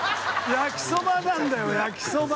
焼きそばなんだよ焼きそば。